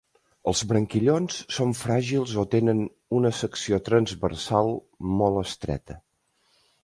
Els branquillons són fràgils o tenen una secció transversal mol estreta.